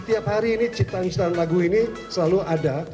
dan hari ini ciptaan ciptaan lagu ini selalu ada